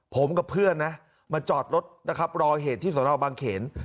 ผมกับเพื่อนนะมาจอดรถนะครับรอเหตุที่สนบางเขน